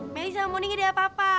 meli sama mondi gak ada apa apa